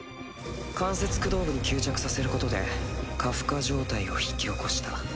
関節駆動部に吸着させることで過負荷状態を引き起こした。